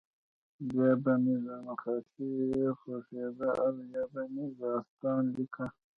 بیا به مې نقاشي خوښېده او یا به مې داستان لیکه